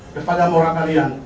kepada orang kalian